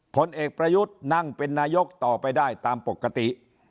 ผลเอกประยุทธ์นั่งเป็นนายกต่อไปได้ตามปกติ